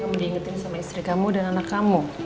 diingetin sama istri kamu dan anak kamu